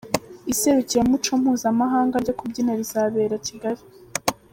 Iserukiramuco mpuzamahanga ryo kubyina rizabera Kigali